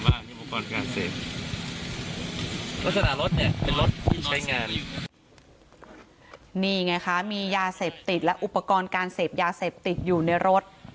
รสนารถเนี้ยเป็นรถที่ใช้งานนี่ไงคะมียาเสพติดและอุปกรณ์การเสพยาเสพติดอยู่ในรถ